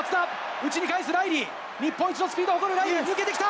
内に返したライリー、日本一のスピードを誇るライリーが抜けてきた！